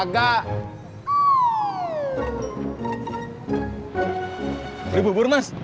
perih bubur mas